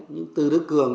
nhưng từ đức cường